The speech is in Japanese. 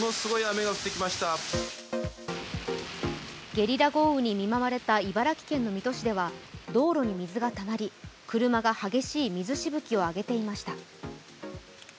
ゲリラ豪雨に見舞われた茨城県の水戸市では道路に水がたまり、車が激しい水しぶきを上げていました。